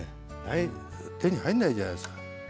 手に入んないじゃないですか。